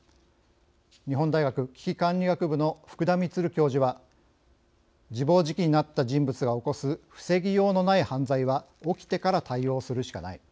日本大学危機管理学部の福田充教授は「自暴自棄になった人物が起こす防ぎようのない犯罪は起きてから対応するしかない。